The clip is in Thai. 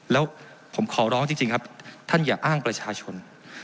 แล้วผมขอร้องจริงครับท่านอย่าอ้างประชาชน